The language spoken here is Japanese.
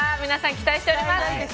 皆さん期待しております。